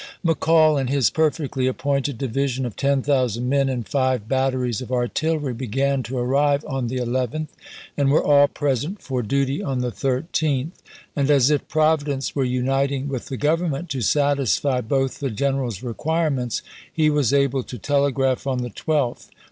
McCall and his perfectly appointed division of ten thousand men and five batteries of artillery began to arrive on the 11th, and were all present for duty on the 13th ; and as if Providence were uniting with the Government to satisfy both the general's requirements, he was able to telegraph on the 12th : Ibid..